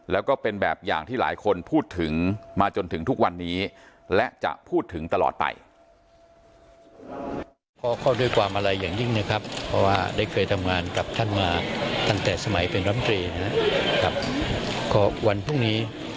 แล้วก็เป็นแบบอย่างที่หลายคนพูดถึงมาจนถึงทุกวันนี้และจะพูดถึงตลอดไป